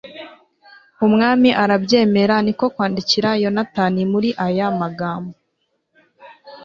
umwami arabyemera, ni ko kwandikira yonatani muri aya magambo